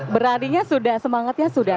berarinya sudah semangatnya sudah